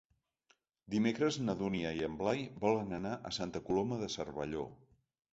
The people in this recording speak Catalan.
Dimecres na Dúnia i en Blai volen anar a Santa Coloma de Cervelló.